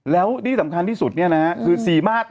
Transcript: แล้วที่สำคัญที่สุดเนี่ยนะฮะ